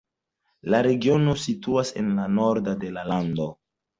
La regiono situas en la nordo de la lando.